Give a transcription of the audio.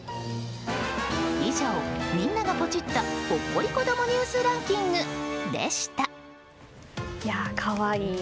以上、みんながポチったほっこり子どもニュースランキングでした。